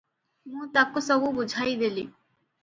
ମୁଁ ତାକୁ ସବୁ ବୁଝାଇଦେଲି ।